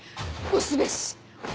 押すべし！